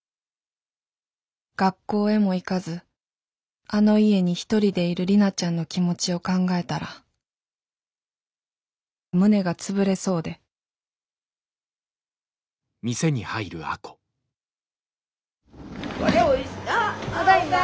学校へも行かずあの家に一人でいる里奈ちゃんの気持ちを考えたら胸が潰れそうでただいま。